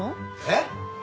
えっ？